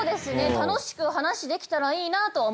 楽しく話できたらいいなとは思ってます。